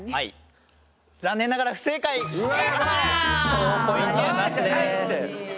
ほぉポイントはなしです。